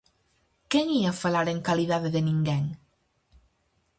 Quen ía falar en calidade de ninguén?